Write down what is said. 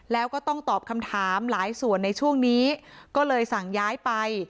แล้วก็ต้องตอบคำถามหลายส่วนในช่วงนี้ก็เลยสั่งย้ายไป